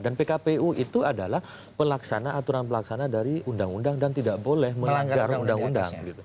dan pkpu itu adalah aturan pelaksana dari undang undang dan tidak boleh melanggar undang undang